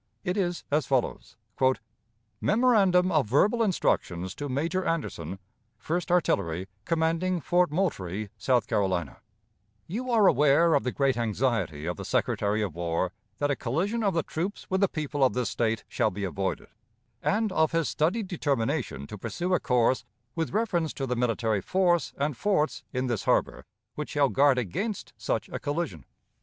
It is as follows: "Memorandum of verbal instructions to Major Anderson, First Artillery, commanding Fort Moultrie, South Carolina: "You are aware of the great anxiety of the Secretary of War that a collision of the troops with the people of this State shall be avoided, and of his studied determination to pursue a course, with reference to the military force and forts in this harbor, which shall guard against such a collision.